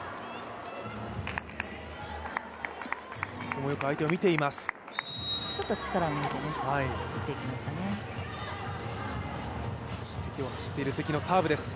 ここもよく相手を見ています。